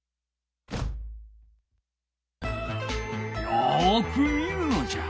よく見るのじゃ。